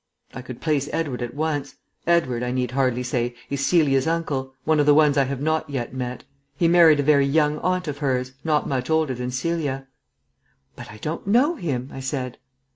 I could place Edward at once. Edward, I need hardly say, is Celia's uncle; one of the ones I have not yet met. He married a very young aunt of hers, not much older than Celia. "But I don't know him," I said.